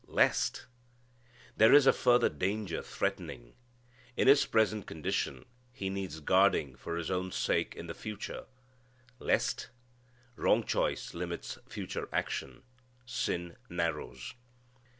"Lest!" There is a further danger threatening. In his present condition he needs guarding for his own sake in the future. "Lest" wrong choice limits future action. Sin narrows.